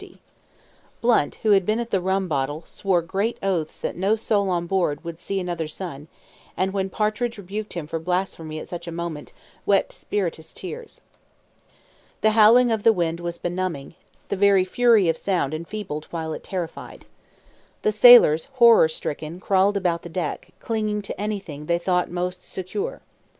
Blunt, who had been at the rum bottle, swore great oaths that no soul on board would see another sun; and when Partridge rebuked him for blasphemy at such a moment, wept spirituous tears. The howling of the wind was benumbing; the very fury of sound enfeebled while it terrified. The sailors, horror stricken, crawled about the deck, clinging to anything they thought most secure.